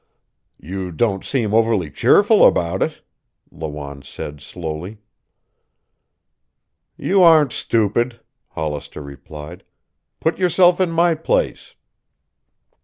"You don't seem overly cheerful about it," Lawanne said slowly. "You aren't stupid," Hollister replied. "Put yourself in my place."